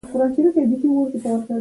هرکله راشئ!